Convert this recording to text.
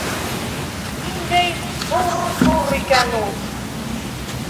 Ниндәй «Тор-тор» икән ул?